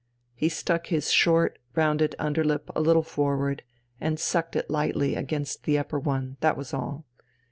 He stuck his short, rounded underlip a little forward, and sucked it lightly against the upper one that was all.